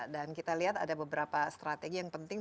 dan kita lihat ada beberapa strategi yang penting